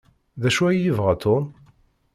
D acu ay yebɣa Tom?